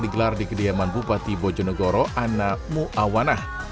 digelar di kediaman bupati bojo nagoro anamu awanah